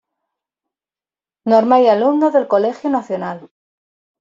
Normal y alumnos del Colegio Nacional.